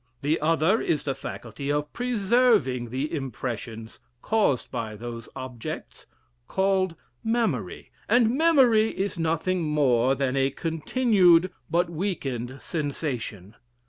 The other is the faculty of preserving the impressions caused by those objects, called Memory; and Memory is nothing more than a continued, but weakened sensation.